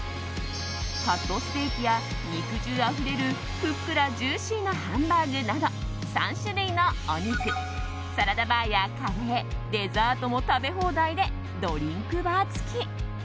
カットステーキや肉汁あふれる、ふっくらジューシーなハンバーグなど３種類のお肉サラダバーやカレーデザートも食べ放題でドリンクバー付き。